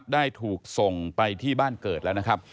ได้ถูกส่งไปที่บ้านเกิดแล้ว